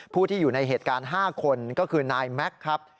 ผู้ที่อยู่ในเหตุการณ์๕คนก็คือนายแม็กซ์ครับ